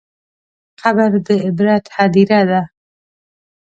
قبر د عبرت هدیره ده.